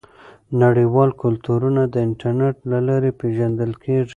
نړیوال کلتورونه د انټرنیټ له لارې پیژندل کیږي.